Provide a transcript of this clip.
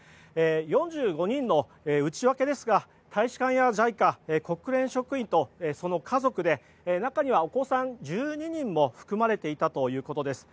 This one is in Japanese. ４５人の内訳ですが大使館やＪＩＣＡ国連職員とその家族で中にはお子さん１２人も含まれていたということです。